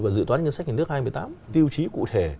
và dự toán nhân sách nhà nước hai mươi tám tiêu chí cụ thể